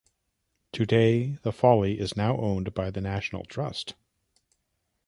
Today the folly is now owned by the National Trust.